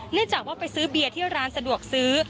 เนื่องจากว่าไปซื้อเบียร์ที่ร้านสะดวกซื้อ